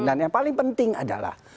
dan yang paling penting adalah